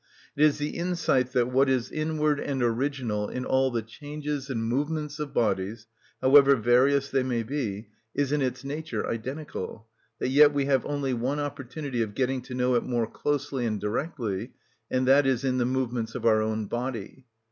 It is the insight that what is inward and original in all the changes and movements of bodies, however various they may be, is in its nature identical; that yet we have only one opportunity of getting to know it more closely and directly, and that is in the movements of our own body.